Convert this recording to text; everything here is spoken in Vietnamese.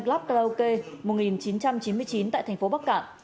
karaoke một nghìn chín trăm chín mươi chín tại thành phố bắc cạn